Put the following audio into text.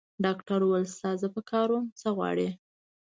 ډاکټر وویل: ستا زه په کار وم؟ څه غواړې؟